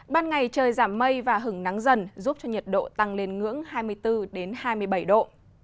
ban ngày trời giảm mây và hứng nắng dần giúp cho nhiệt độ tăng lên ngưỡng hai mươi bốn hai mươi bảy độ